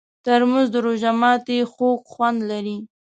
ترموز د روژه ماتي خوږ خوند لري.